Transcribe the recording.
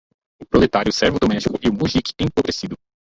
o proletário servo doméstico e o mujique empobrecido